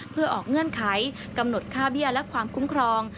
เพื่อออกเงื่อนไขกำหนดค่าเบี้ยและความคุ้มครอง